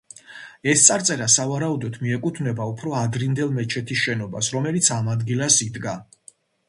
ეს წარწერა, სავარაუდოდ, მიეკუთვნებოდა უფრო ადრინდელ მეჩეთის შენობას, რომელიც ამ ადგილას იდგა.